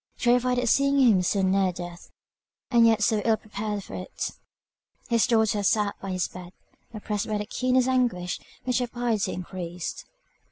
Terrified at seeing him so near death, and yet so ill prepared for it, his daughter sat by his bed, oppressed by the keenest anguish, which her piety increased.